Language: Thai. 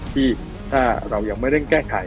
ที่ถ้าเรายังไม่เร่งแก้ไข